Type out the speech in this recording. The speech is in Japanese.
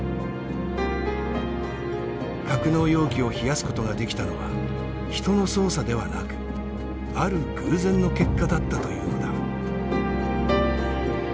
格納容器を冷やすことができたのは人の操作ではなくある偶然の結果だったというのだ。